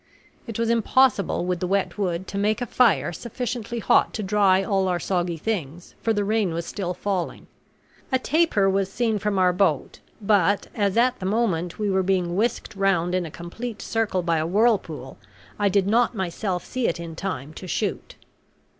It was impossible, with the wet wood, to make a fire sufficiently hot to dry all our soggy things, for the rain was still falling. A tapir was seen from our boat, but, as at the moment we were being whisked round in a complete circle by a whirlpool, I did not myself see it in time to shoot.